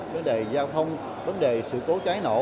vấn đề giao thông vấn đề sự tố trái nổ